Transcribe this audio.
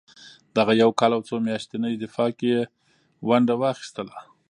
دغه یو کال او څو میاشتني دفاع کې یې ونډه واخیسته.